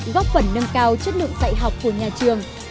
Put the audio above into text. góp phần nâng cao chất lượng dạy học của nhà trường